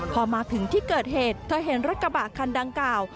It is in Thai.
พอมาถึงที่เกิดเหตุเธอเห็นรถกระบะคันดังกล่าว